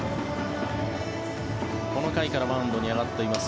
この回からマウンドに上がっています